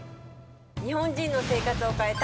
日本人の生活を変えた！